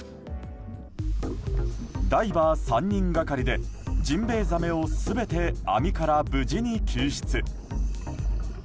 ダイバー３人がかりでジンベイザメを全て網から無事に救出。